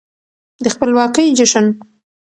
د خپلواکۍ جشن